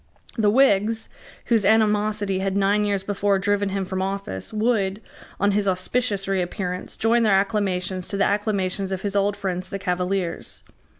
The Whigs, whose animosity had nine years before driven him from office, would, on his auspicious reappearance, join their acclamations to the acclamations of his old friends the Cavaliers.